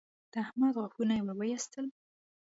د احمد غاښونه يې ور واېستل